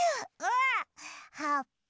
はっぱ。